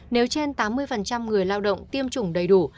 nếu trên tám mươi người lao động tiêm chủng đầy đủ